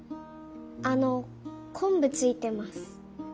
あのこんぶついてます。